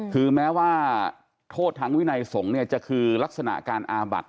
คือแม้ว่าโทษทางวินัยสงฆ์เนี่ยจะคือลักษณะการอาบัติ